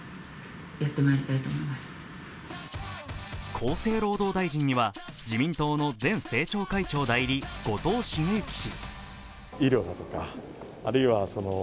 厚生労働大臣には自民党の前政調会長代理、後藤茂之氏。